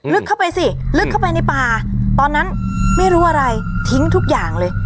ลึกเข้าไปสิลึกเข้าไปในป่าตอนนั้นไม่รู้อะไรทิ้งทุกอย่างเลย